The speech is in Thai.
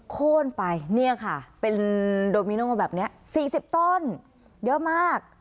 โค้นไปเนี่ยค่ะเป็นโดมิโนแบบนี้๔๐ต้นเยอะมาก